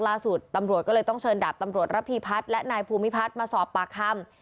ล่าสุดตำรวจก็เลยต้องเชิญดาบตำรวจระพีพัฒน์และนายภูมิพัฒน์มาสอบปากคำ